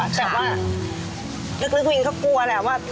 ว่าลึกวิ่งก็กลัวแหละว่า